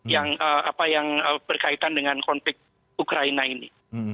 yang berkaitan dengan konflik ukraina ini